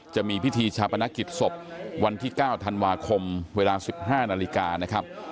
จะมีพิธีชาปนกิจศพวันที่๙ธันวาคมเวลา๑๕นาฬิกานะครับ